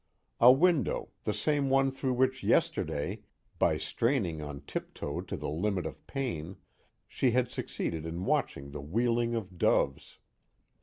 A window, the same one through which yesterday, by straining on tiptoe to the limit of pain, she had succeeded in watching the wheeling of doves.